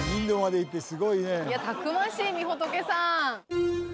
たくましいみほとけさん